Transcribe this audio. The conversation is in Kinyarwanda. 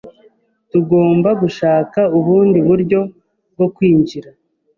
Tugomba gushaka ubundi buryo bwo kwinjira.